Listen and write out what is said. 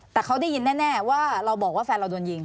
แต่เขาได้ยินแน่ว่าเราบอกว่าแฟนเราโดนยิง